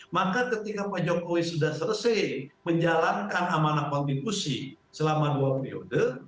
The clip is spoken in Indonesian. maka ketika pak jokowi sudah selesai menjalankan amanah konstitusi selama dua periode